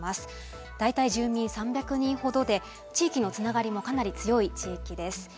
大体住民３００人ほどで地域のつながりもかなり強い地域です。